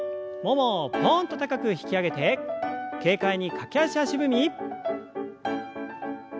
ももをぽんと高く引き上げて軽快に駆け足足踏み。